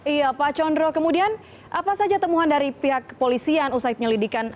iya pak condro kemudian apa saja temuan dari pihak kepolisian usai penyelidikan